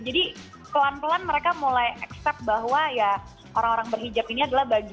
jadi pelan pelan mereka mulai accept bahwa ya orang orang berhijab ini adalah barangnya